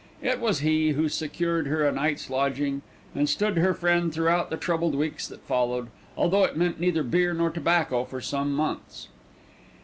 It was he who secured her a night's lodging, and stood her friend throughout the troubled weeks that followed, although it meant neither beer nor tobacco for some months.